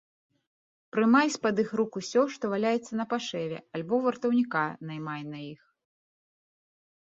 Прымай з-пад іх рук усё, што валяецца напашэве, альбо вартаўніка наймай на іх.